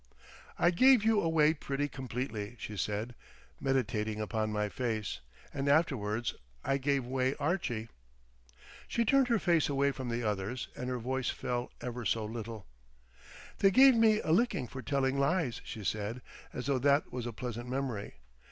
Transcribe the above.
"I gave you away pretty completely," she said, meditating upon my face. "And afterwards I gave way Archie." She turned her face away from the others, and her voice fell ever so little. "They gave him a licking for telling lies!" she said, as though that was a pleasant memory.